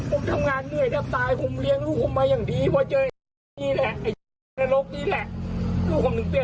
ผมทำงานเหนื่อยถ้าตายผมเลี้ยงลูกผมมาอย่างดีเพราะเจอนี่แหละ